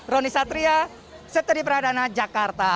roni satria seteri pradana jakarta